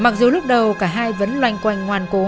mặc dù lúc đầu cả hai vẫn loanh quanh ngoan cố